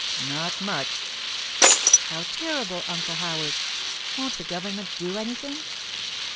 'Not much.' 'How terrible, Uncle Howard! Won't the government do anything?